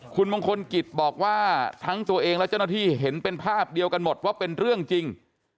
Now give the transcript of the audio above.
คุณมงคลกิจบอกว่าทั้งตัวเองและเจ้าหน้าที่เห็นเป็นภาพเดียวกันหมดว่าเป็นเรื่องจริง